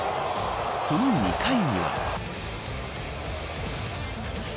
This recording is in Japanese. その２回には。